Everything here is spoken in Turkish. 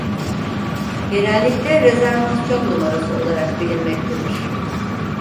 Genellikle rezervasyon numarası olarak bilinmektedir.